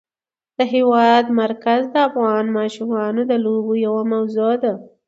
د هېواد مرکز د افغان ماشومانو د لوبو یوه موضوع ده.